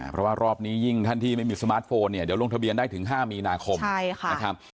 เพราะว่ารอบนี้ยิ่งท่านที่ไม่มีสมาร์ทโฟนเนี่ยเดี๋ยวลงทะเบียนได้ถึง๕มีนาคมนะครับ